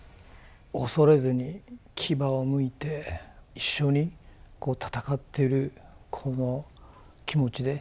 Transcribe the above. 恐れずに牙をむいて一緒に戦ってるこの気持ちで。